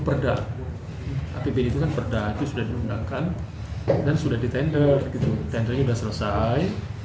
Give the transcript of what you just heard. perda apbd itu kan perda itu sudah diundangkan dan sudah ditender gitu tendernya sudah selesai